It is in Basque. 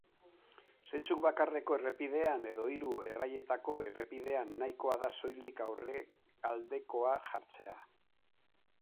Zentzu bakarreko errepidean edo hiru erraietako errepidean nahikoa da soilik aurrealdekoa jartzea.